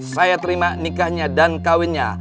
saya terima nikahnya dan kawinnya